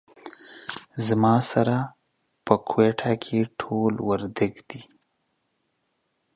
زما سره په کوټه کې ټول وردګ دي